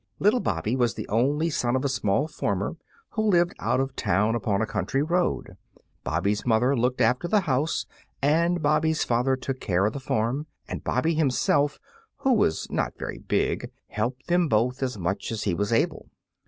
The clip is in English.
Little Bobby was the only son of a small farmer who lived out of town upon a country road. Bobby's mother looked after the house and Bobby's father took care of the farm, and Bobby himself, who was not very big, helped them both as much as he was able.